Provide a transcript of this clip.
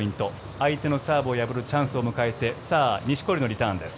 相手のサーブを破るチャンスを迎えて錦織のリターンです。